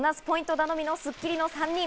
頼みのスッキリの３人。